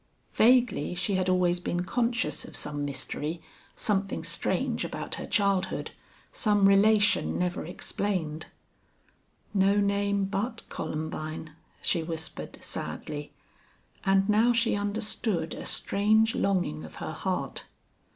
Vaguely she had always been conscious of some mystery, something strange about her childhood, some relation never explained. "No name but Columbine," she whispered, sadly, and now she understood a strange longing of her heart.